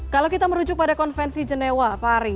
kalau kita merujuk pada konvensi genewa pak ari